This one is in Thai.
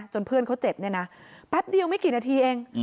เพื่อนเขาเจ็บเนี่ยนะแป๊บเดียวไม่กี่นาทีเอง